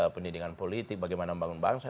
pendidikan politik bagaimana membangun bangsa